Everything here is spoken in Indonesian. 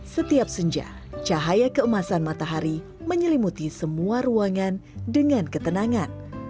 setiap senja cahaya keemasan matahari menyelimuti semua ruangan dengan ketenangan